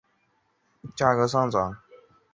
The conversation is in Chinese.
大多数课程也有大专文凭授予学生。